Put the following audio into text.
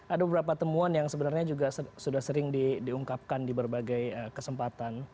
ada beberapa temuan yang sebenarnya juga sudah sering diungkapkan di berbagai kesempatan